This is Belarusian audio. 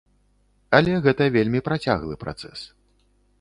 Але гэта вельмі працяглы працэс.